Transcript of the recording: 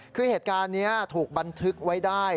คือเหตุการณ์นี้ถูกบันทึกไว้ได้